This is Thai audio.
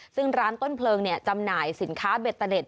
ซึ่งร้านต้นเพลิงเนี่ยจำหน่ายสินค้าเบ็ดตะเล็ด